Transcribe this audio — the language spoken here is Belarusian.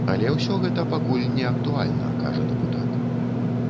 Але ўсё гэта пакуль не актуальна, кажа дэпутат.